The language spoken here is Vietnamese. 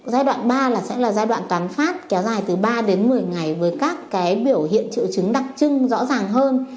giai đoạn ba là giai đoạn toán phát kéo dài từ ba đến một mươi ngày với các biểu hiện triệu chứng đặc trưng rõ ràng hơn